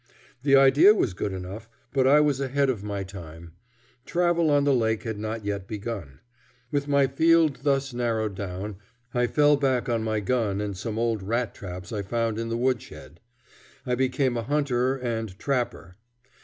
The idea was good enough, but I was ahead of my time: travel on the lake had not yet begun. With my field thus narrowed down, I fell back on my gun and some old rat traps I found in the woodshed. I became a hunter and trapper.